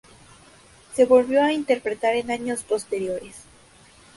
Se volvió a interpretar en años posteriores.